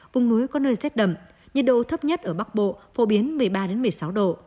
vùng núi có nơi rét đậm nhiệt độ thấp nhất ở bắc bộ phổ biến một mươi ba một mươi sáu độ